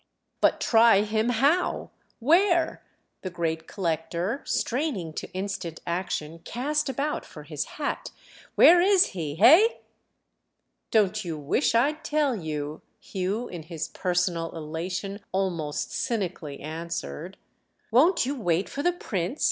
"But try him how, where?" The great collector, straining to instant action, cast about for his hat "Where is he, hey?" "Don't you wish I'd tell you?" Hugh, in his personal elation, almost cynically answered. "Won't you wait for the Prince?"